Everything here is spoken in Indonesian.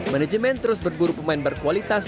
manajemen terus berburu pemain berkualitas